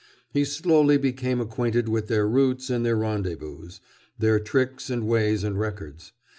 He slowly became acquainted with their routes and their rendezvous, their tricks and ways and records.